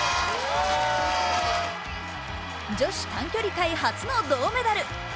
女子短距離界初の銅メダル。